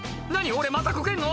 俺またコケんの？」